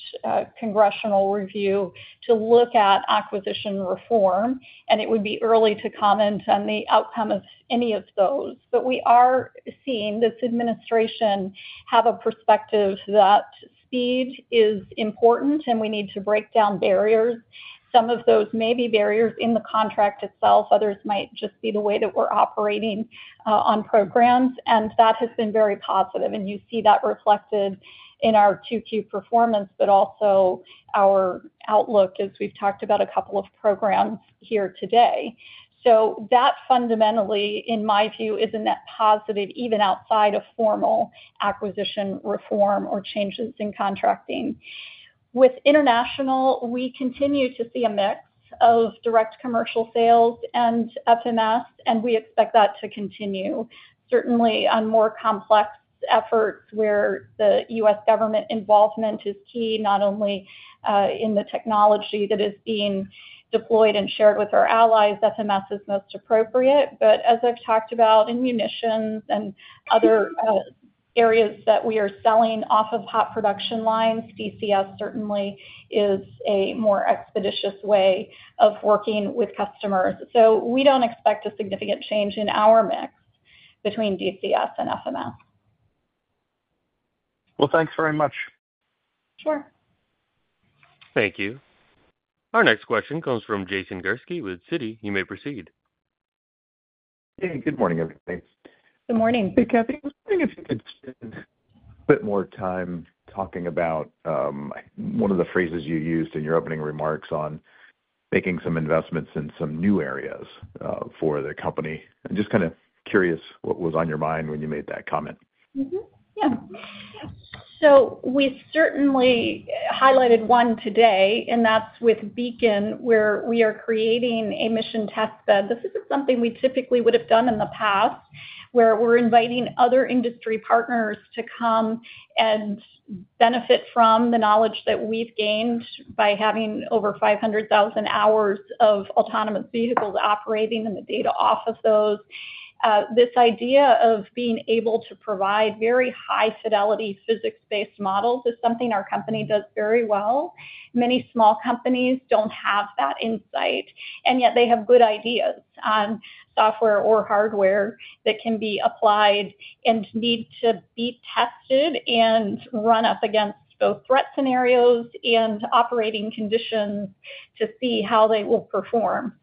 congressional review to look at acquisition reform. It would be early to comment on the outcome of any of those, but we are seeing this administration have a perspective that speed is important, and we need to break down barriers. Some of those may be barriers in the contract itself. Others might just be the way that we are operating on programs, and that has been very positive. You see that reflected in our Q2 performance, but also our outlook as we have talked about a couple of programs here today. That fundamentally, in my view, is a net positive even outside of formal acquisition reform or changes in contracting. With international, we continue to see a mix of direct commercial sales and FMS, and we expect that to continue. Certainly on more complex efforts where the U.S. government involvement is key, not only in the technology that is being deployed and shared with our allies, FMS is most appropriate. As I have talked about in munitions and other areas that we are selling off of hot production lines, DCS certainly is a more expeditious way of working with customers. We do not expect a significant change in our mix between DCS and FMS. Thanks very much. Sure. Thank you. Our next question comes from Jason Gursky with Citi. You may proceed. Hey, good morning, everybody. Good morning. Hey, Kathy. I was wondering if you could spend a bit more time talking about one of the phrases you used in your opening remarks on making some investments in some new areas for the company. I am just kind of curious what was on your mind when you made that comment. Yeah. We certainly highlighted one today, and that's with Beacon, where we are creating a mission testbed. This isn't something we typically would have done in the past, where we're inviting other industry partners to come and benefit from the knowledge that we've gained by having over 500,000 hours of autonomous vehicles operating and the data off of those. This idea of being able to provide very high-fidelity physics-based models is something our company does very well. Many small companies don't have that insight, and yet they have good ideas on software or hardware that can be applied and need to be tested and run up against both threat scenarios and operating conditions to see how they will perform.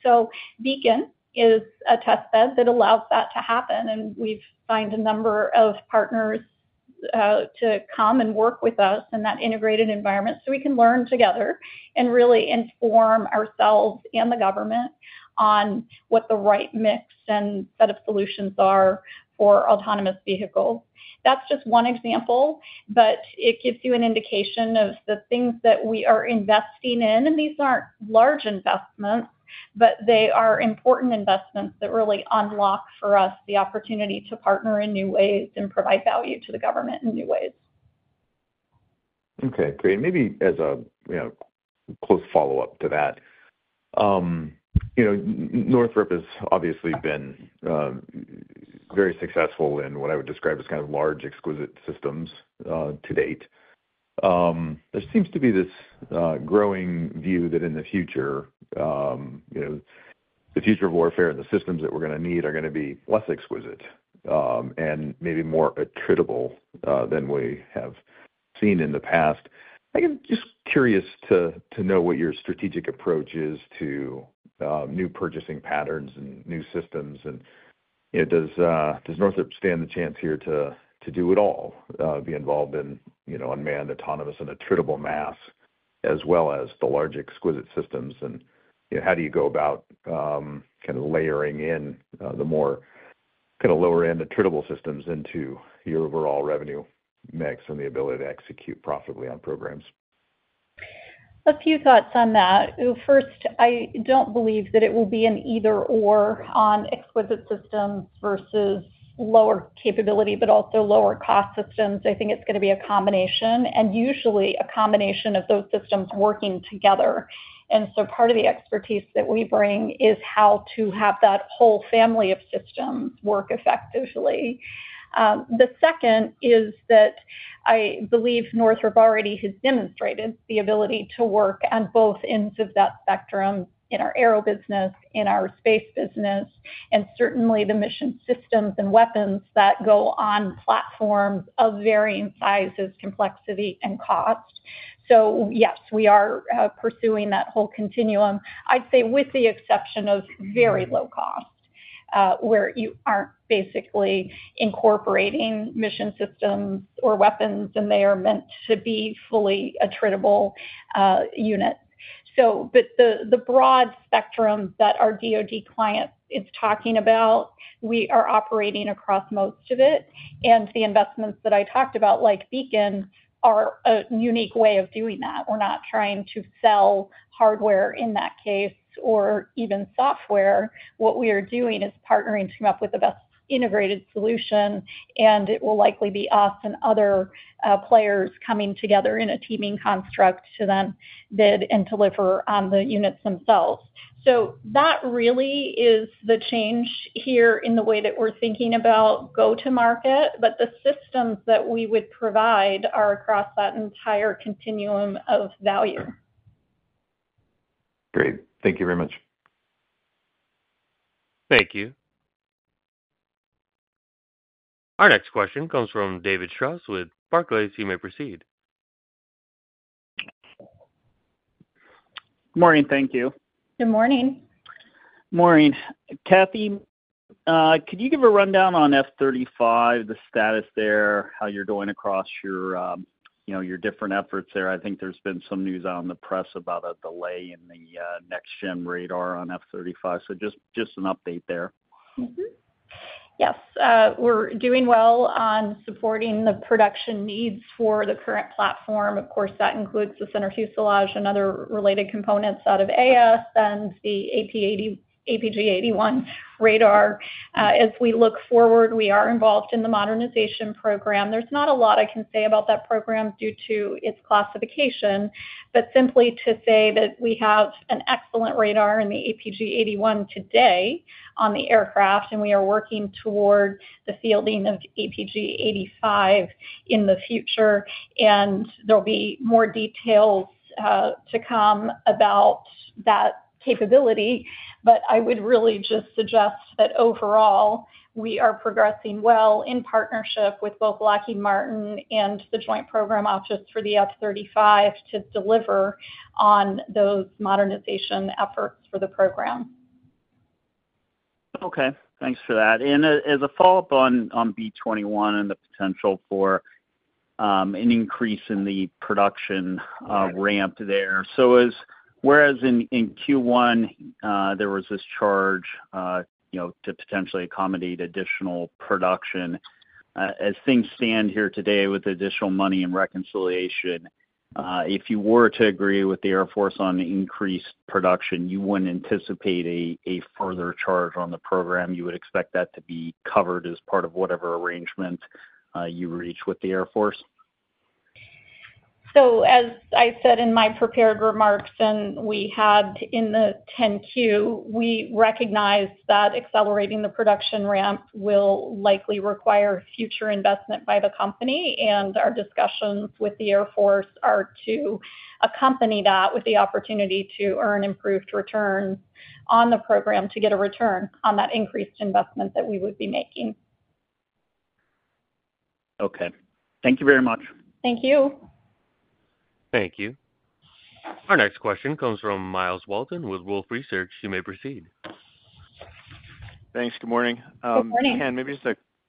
Beacon is a test bed that allows that to happen. We've signed a number of partners to come and work with us in that integrated environment so we can learn together and really inform ourselves and the government on what the right mix and set of solutions are for autonomous vehicles. That's just one example, but it gives you an indication of the things that we are investing in. These aren't large investments, but they are important investments that really unlock for us the opportunity to partner in new ways and provide value to the government in new ways. Great. Maybe as a close follow-up to that, Northrop has obviously been very successful in what I would describe as kind of large exquisite systems to date. There seems to be this growing view that in the future, the future of warfare and the systems that we're going to need are going to be less exquisite and maybe more attributable than we have seen in the past. I'm just curious to know what your strategic approach is to new purchasing patterns and new systems. Does Northrop stand the chance here to do it all, be involved in unmanned, autonomous, and attributable mass, as well as the large exquisite systems? How do you go about kind of layering in the more lower-end attributable systems into your overall revenue mix and the ability to execute profitably on programs? A few thoughts on that. First, I don't believe that it will be an either/or on exquisite systems versus lower capability, but also lower-cost systems. I think it's going to be a combination, and usually a combination of those systems working together. Part of the expertise that we bring is how to have that whole family of systems work effectively. The second is that I believe Northrop already has demonstrated the ability to work on both ends of that spectrum in our aero business, in our space business, and certainly the mission systems and weapons that go on platforms of varying sizes, complexity, and cost. Yes, we are pursuing that whole continuum, I'd say with the exception of very low cost. Where you are not basically incorporating mission systems or weapons, and they are meant to be fully attributable units. The broad spectrum that our DoD client is talking about, we are operating across most of it. The investments that I talked about, like Beacon, are a unique way of doing that. We are not trying to sell hardware in that case or even software. What we are doing is partnering to come up with the best integrated solution, and it will likely be us and other players coming together in a teaming construct to then bid and deliver on the units themselves. That really is the change here in the way that we are thinking about go-to-market, but the systems that we would provide are across that entire continuum of value. Great. Thank you very much. Thank you. Our next question comes from David Strauss with Barclays. You may proceed. Good morning. Thank you. Good morning. Good morning, Kathy. Could you give a rundown on F-35, the status there, how you are doing across your different efforts there? I think there has been some news out in the press about a delay in the Next-Gen radar on F-35, so just an update there Yes. We are doing well on supporting the production needs for the current platform. Of course, that includes the center fuselage and other related components out of AS and the APG-81 radar. As we look forward, we are involved in the modernization program. There is not a lot I can say about that program due to its classification, but simply to say that we have an excellent radar in the APG-81 today on the aircraft, and we are working toward the fielding of APG-85 in the future. There will be more details to come about that capability. I would really just suggest that overall, we are progressing well in partnership with both Lockheed Martin and the Joint Program Office for the F-35 to deliver on those modernization efforts for the program. Okay. Thanks for that. As a follow-up on B-21 and the potential for an increase in the production ramp there, whereas in Q1, there was this charge to potentially accommodate additional production, as things stand here today with additional money and reconciliation, if you were to agree with the Air Force on increased production, you would not anticipate a further charge on the program. You would expect that to be covered as part of whatever arrangement you reach with the Air Force. As I said in my prepared remarks and we had in the 10-Q, we recognize that accelerating the production ramp will likely require future investment by the company. Our discussions with the Air Force are to accompany that with the opportunity to earn improved returns on the program to get a return on that increased investment that we would be making. Okay. Thank you very much. Thank you. Thank you. Our next question comes from Myles Walton with Wolfe Research. You may proceed. Thanks. Good morning. Maybe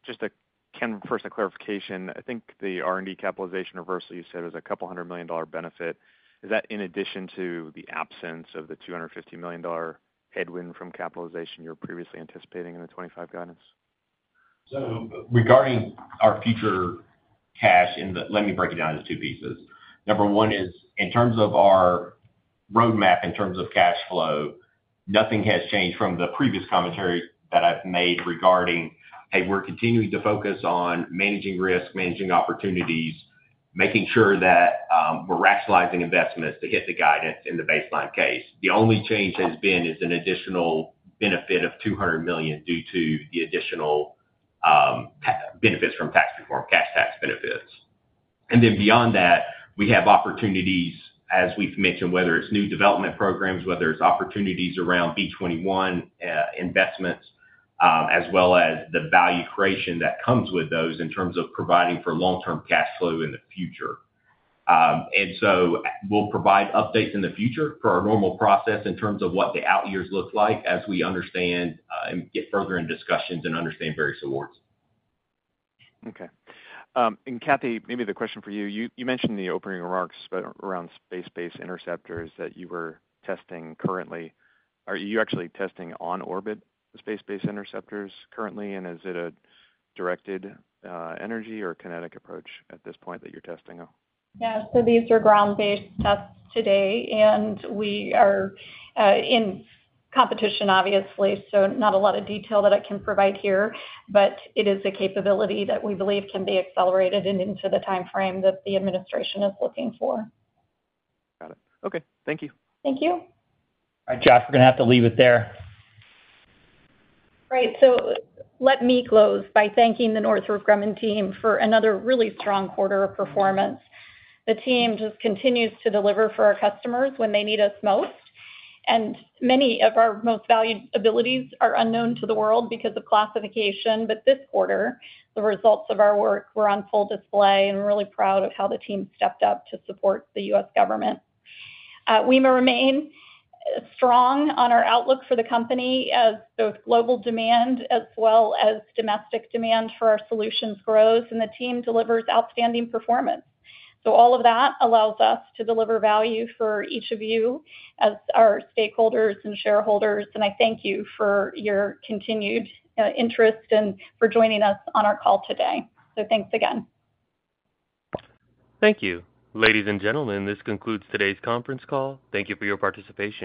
just a first clarification. I think the R&D capitalization reversal you said was a couple-hundred-million-dollar benefit. Is that in addition to the absence of the $250 million headwind from capitalization you were previously anticipating in the 2025 guidance? Regarding our future cash, let me break it down into two pieces. Number one is in terms of our roadmap, in terms of cash flow, nothing has changed from the previous commentary that I've made regarding, "Hey, we're continuing to focus on managing risk, managing opportunities, making sure that we're rationalizing investments to hit the guidance in the baseline case." The only change has been an additional benefit of $200 million due to the additional benefits from tax reform, cash tax benefits. Beyond that, we have opportunities, as we've mentioned, whether it's new development programs, whether it's opportunities around B-21 investments, as well as the value creation that comes with those in terms of providing for long-term cash flow in the future. We will provide updates in the future for our normal process in terms of what the out-years look like as we understand and get further in discussions and understand various awards. Okay. Kathy, maybe the question for you. You mentioned in the opening remarks around space-based interceptors that you were testing currently. Are you actually testing on orbit space-based interceptors currently? Is it a directed energy or kinetic approach at this point that you're testing? Yeah. These are ground-based tests today. We are in competition, obviously, so not a lot of detail that I can provide here, but it is a capability that we believe can be accelerated and into the timeframe that the administration is looking for. Got it. Okay. Thank you. Thank you. All right, Jeff, we're going to have to leave it there. Let me close by thanking the Northrop Grumman team for another really strong quarter of performance. The team just continues to deliver for our customers when they need us most. Many of our most valued abilities are unknown to the world because of classification. This quarter, the results of our work were on full display, and we're really proud of how the team stepped up to support the U.S. government. We remain strong on our outlook for the company as both global demand as well as domestic demand for our solutions grows, and the team delivers outstanding performance. All of that allows us to deliver value for each of you as our stakeholders and shareholders. I thank you for your continued interest and for joining us on our call today. Thanks again. Thank you. Ladies and gentlemen, this concludes today's conference call. Thank you for your participation.